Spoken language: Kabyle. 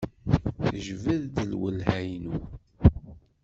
Tejbed-d lwelha-inu.